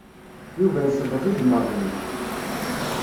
Yuba yesleḍ igmaḍ-nni.